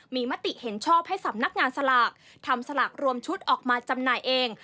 มีมติเห็นชอบให้สำนักงานสลากทำสลากรวมชุดออกมาจำหน่ายเอง